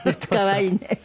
可愛いね。